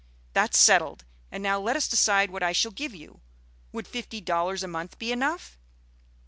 That's settled; and now let us decide what I shall give you. Would fifty dollars a month be enough?"